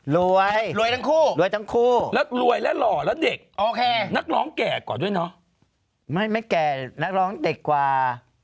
รวยร้อยทั้งคู่รับโรยแล้วเหล่ารับเด็กโอเคนักร้องแก่กว่าด้วยเนาะไม่ไม่แก่นักร้องเด็กกว่า